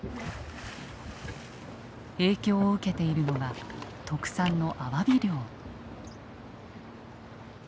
影響を受けているのが特産のアワビ漁。